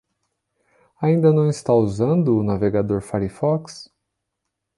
Ainda não está usando o navegador Firefox?